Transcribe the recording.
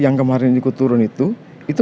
yang kemarin ikut turun itu itu